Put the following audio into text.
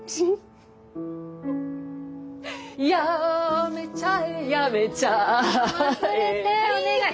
やめちゃえやめちゃえ忘れてお願い！